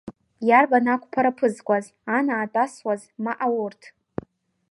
Иарбан ақәԥара аԥызкуаз, анаатә асуаз, ма аурҭ!